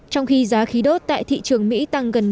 trong khi giá khí đốt tại thị trường mỹ tăng gần một bốn